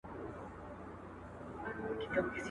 امر دی د پاک یزدان ګوره چي لا څه کیږي